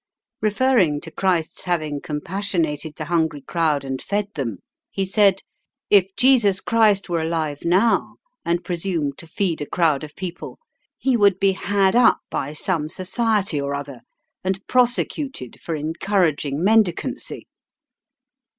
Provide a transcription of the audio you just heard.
Referring to Christ's having compassionated the hungry crowd and fed them, he said: "If Jesus Christ were alive now and presumed to feed a crowd of people, He would be had up by some society or other, and prosecuted for encouraging mendicancy.